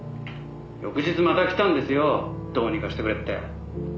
「翌日また来たんですよどうにかしてくれって」